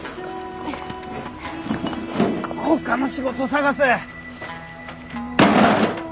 ほかの仕事探せ。